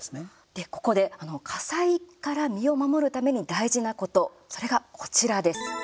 で、ここで火災から身を守るために大事なこと、それがこちらです。